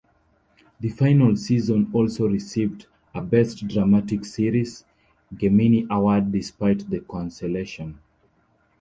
The final season also received a "Best Dramatic Series" Gemini Award despite the cancellation.